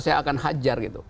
saya akan hajar gitu